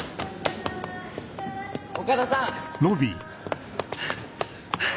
岡田さん！